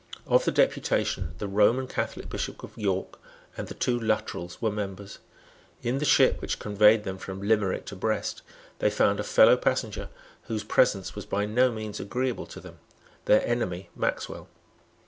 Of the deputation the Roman Catholic Bishop of Cork and the two Luttrells were members. In the ship which conveyed them from Limerick to Brest they found a fellow passenger whose presence was by no means agreeable to them, their enemy, Maxwell.